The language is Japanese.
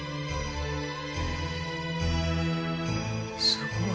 すごい。